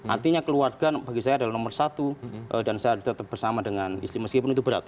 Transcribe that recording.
artinya keluarga bagi saya adalah nomor satu dan saya tetap bersama dengan istri meskipun itu berat